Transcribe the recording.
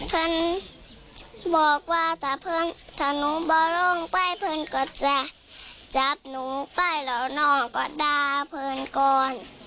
เพื่อนบอกว่าถ้าหนูบ่ลงไปเพื่อนก็จะจับหนูไปแล้วน้องก็ด่าเพื่อนก่อน